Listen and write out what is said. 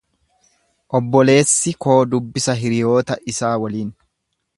Obboleessi koo dubbisa hiriyoota isaa waliin.